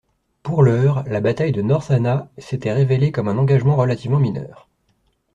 Pour l'heure, la bataille de North Anna s'était révélée comme un engagement relativement mineur.